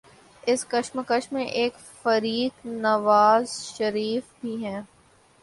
اس کشمکش میں ایک فریق نوازشریف صاحب ہیں